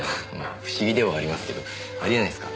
不思議ではありますけどありえないっすか。